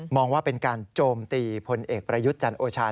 ว่าเป็นการโจมตีพลเอกประยุทธ์จันโอชา